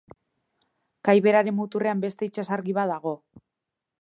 Kai beraren muturrean beste itsasargi bat dago.